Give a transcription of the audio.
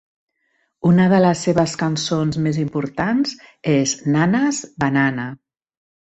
Una de les seves cançons més importants és Nanas Banana.